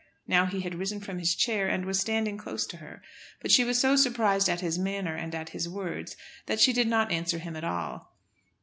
Now he had risen from his chair, and was standing close to her; but she was so surprised at his manner and at his words that she did not answer him at all.